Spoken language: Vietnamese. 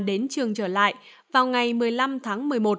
đến trường trở lại vào ngày một mươi năm tháng một mươi một